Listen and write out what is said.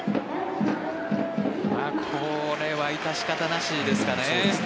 これは致し方なしですかね。